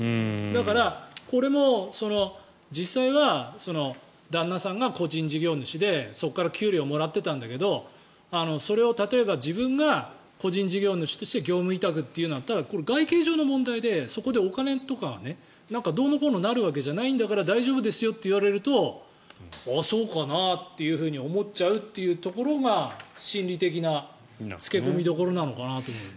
だから、これも実際は旦那さんが個人事業主でそこから給料をもらっていたんだけどそれを例えば自分が個人事業主として業務委託というのだったらこれ、外形上の問題でそこでお金とかどうのこうのなるわけじゃないんだから大丈夫ですよと言われるとそうかなっていうふうに思っちゃうというところが心理的な付け込みどころなのかなという。